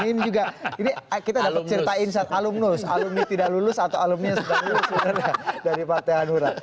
ini juga kita dapat ceritain saat alumnus alumni tidak lulus atau alumni yang sedang lulus sebenarnya dari partai hanura